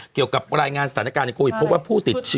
เกี่ยวกับรายงานสถานการณ์ในโควิดพบว่าผู้ติดเชื้อ